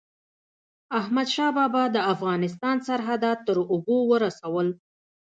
احمدشاه بابا د افغانستان سرحدات تر اوبو ورسول.